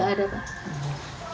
enggak ada pak